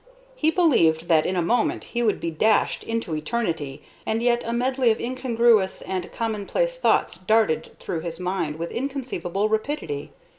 He believed that in a moment he would be dashed into eternity, and yet a medley of incongruous and commonplace thoughts darted through his mind with inconceivable rapidity.